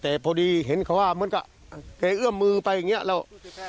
แต่พอดีเห็นเขาว่าเหมือนกับแกเอื้อมมือไปอย่างนี้แล้ว